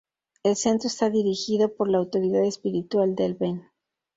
El centro está dirigido por la autoridad espiritual del Ven.